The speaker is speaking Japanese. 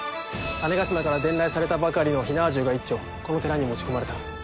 種子島から伝来されたばかりの火縄銃が一挺この寺に持ち込まれた。